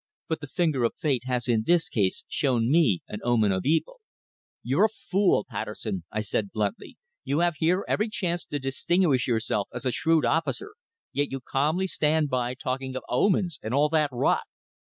"But the finger of Fate has in this case shown me an omen of evil." "You're a fool, Patterson," I said bluntly. "You have here every chance to distinguish yourself as a shrewd officer, yet you calmly stand by talking of omens and all that rot."